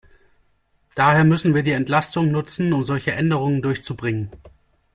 Daher müssen wir die Entlastung nutzen, um solche Änderungen durchzubringen.